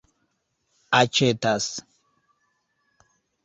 aĉetas